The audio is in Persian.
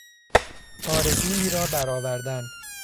آرزویی را برآوردن